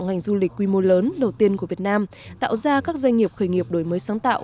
ngành du lịch quy mô lớn đầu tiên của việt nam tạo ra các doanh nghiệp khởi nghiệp đổi mới sáng tạo